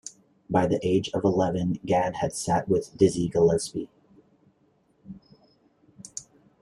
By the age of eleven Gadd had sat in with Dizzy Gillespie.